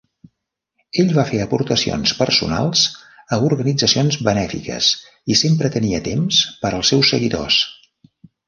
Ell va fer aportacions personals a organitzacions benèfiques i sempre tenia temps per als seus seguidors.